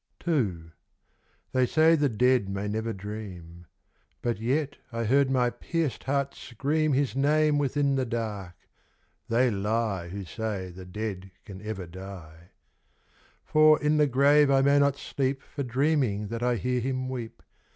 II. They say the Dead may never dream. But yet I heard my pierced heart scream His name within the dark. They lie Who say the Dead can ever die. For in the grave I may not sleep For dreaming that I hear him weep.